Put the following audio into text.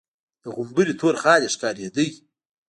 د غومبري تور خال يې ښکارېده.